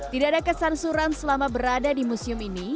tidak ada kesansuran selama berada di museum ini